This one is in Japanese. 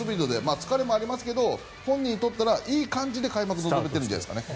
疲れもありますけど本人にとってはいい感じで開幕に臨めてるんじゃないですかね。